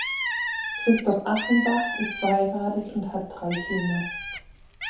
Christoph Achenbach ist verheiratet und hat drei Kinder.